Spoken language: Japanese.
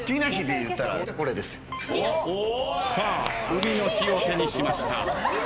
さあ海の日を手にしました。